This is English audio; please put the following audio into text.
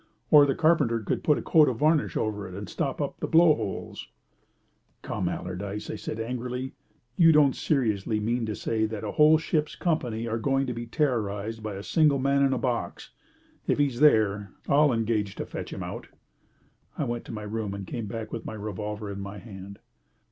Or the carpenter could put a coat of varnish over it and stop all the blow holes." "Come, Allardyce," said I, angrily. "You don't seriously mean to say that a whole ship's company are going to be terrorised by a single man in a box. If he's there, I'll engage to fetch him out!" I went to my room and came back with my revolver in my hand.